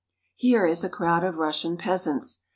Here is a crowd of Russian peasants.